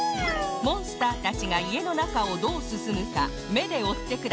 モンスターたちがいえのなかをどうすすむかめでおってください